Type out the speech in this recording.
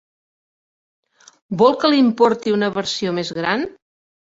Vol que li'n porti una versió més gran?